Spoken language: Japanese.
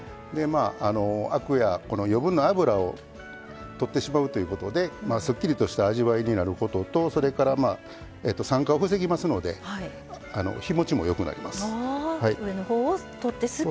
アクや余分な脂をとってしまうことですっきりとした味わいになることと酸化を防ぎますので日もちもよくなります。